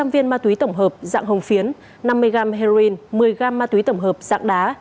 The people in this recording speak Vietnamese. sáu trăm linh viên ma túy tổng hợp dạng hồng phiến năm mươi g heroin một mươi g ma túy tổng hợp dạng đá